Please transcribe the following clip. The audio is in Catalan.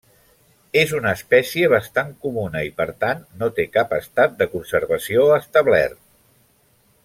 És una espècie bastant comuna, i per tant no té cap estat de conservació establert.